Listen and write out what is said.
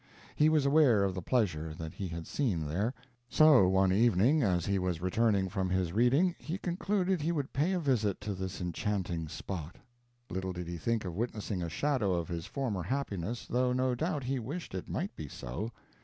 He was aware of the pleasure that he had seen there. So one evening, as he was returning from his reading, he concluded he would pay a visit to this enchanting spot. Little did he think of witnessing a shadow of his former happiness, though no doubt he wished it might be so.